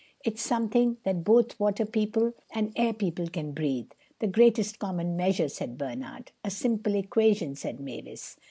It's something that both water people and air people can breathe." "The greatest common measure," said Bernard. "A simple equation," said Mavis.